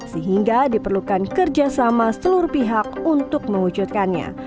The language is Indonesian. sehingga diperlukan kerjasama seluruh pihak untuk mewujudkannya